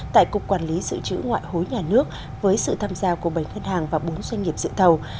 tại cục quản lý sự chữ ngoại hối nhà nước với sự tham gia của bảy ngân hàng và bốn doanh nghiệp sự thầu